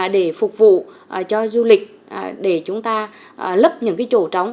để phục vụ cho du lịch để chúng ta lấp những chỗ trống